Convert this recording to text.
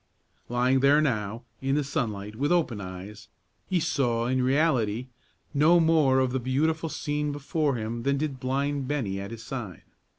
Lying there now, in the sunlight, with open eyes, he saw, in reality, no more of the beautiful scene before him than did blind Bennie at his side.